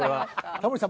タモリさん